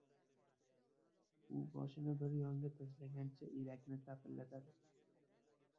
U boshini bir yonga tashlagancha elakni tapillatadi.